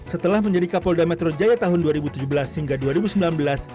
setelah menjadi kapolda metro jaya tahun dua ribu tujuh belas hingga dua ribu sembilan belas